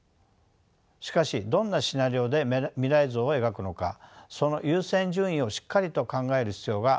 しかしどんなシナリオで未来像を描くのかその優先順位をしっかりと考える必要がありそうです。